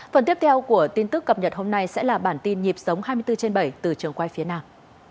phần tiếp theo của tin tức cập nhật hôm nay sẽ là bản tin nhịp sống hai mươi bốn trên bảy từ trường quay phía nam